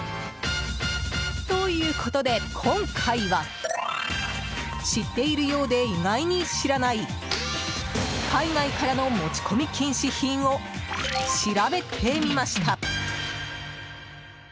ということで、今回は知っているようで意外に知らない海外からの持ち込み禁止品を調べてみました。